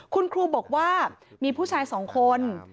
คุณครูบอกว่ามีผู้ชายสองคน